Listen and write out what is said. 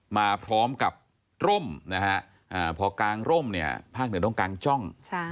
มาพร้อมกับร่มนะฮะพอกางร่มเนี่ยภาคเหนือต้องกางจ้อง